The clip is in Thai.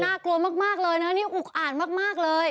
น่ากลัวมากเลยนะอุ๊กอ่านมากเลย